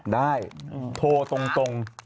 ได้โทรตรง